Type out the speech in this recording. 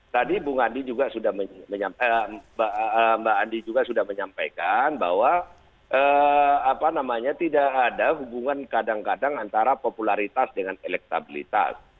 tadi bu andi juga sudah menyampaikan bahwa tidak ada hubungan kadang kadang antara popularitas dengan elektabilitas